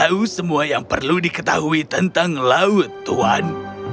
aku tahu semua yang perlu diketahui tentang laut tuan